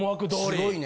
すごいね。